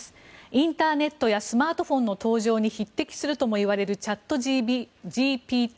インターネットやスマートフォンの登場に匹敵するともいわれるチャットＧＰＴ。